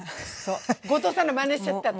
後藤さんのまねしちゃった私。